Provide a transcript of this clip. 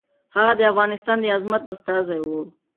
هغه د افغانستان د عظمت استازی و.